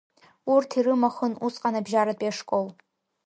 Урҭ ирымахын усҟан абжьаратәи ашкол…